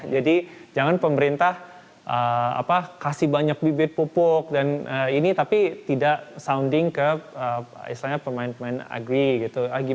jadi jangan pemerintah kasih banyak bibit pupuk dan ini tapi tidak sounding ke pemain pemain agri gitu